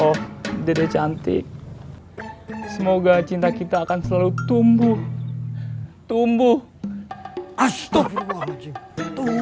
oh dedek cantik semoga cinta kita akan selalu tumbuh tumbuh astaghfirullah tuh